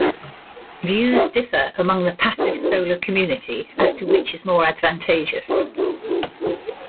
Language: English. Views differ among the passive solar community as to which is more advantageous.